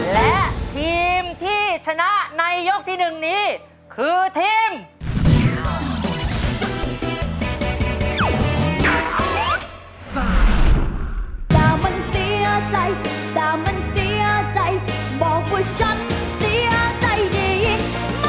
และทีมที่ชนะในยกที่๑นี้คือทีม